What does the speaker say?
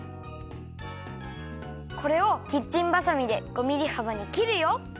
これをキッチンバサミで５ミリはばにきるよ。